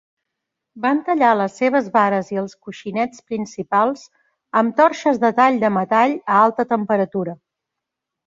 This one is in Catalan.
Van tallar les seves vares i els coixinets principals amb torxes de tall de metall a alta temperatura.